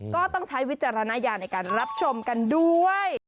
ก็ต้องใช้วิจารณญาณในการรับชมกันด้วย